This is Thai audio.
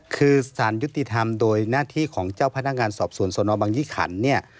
คือสารยุติธรรมโดยหน้าที่ของเจ้าพนักงานสอบสวนสนบังยี่ขันเนี่ย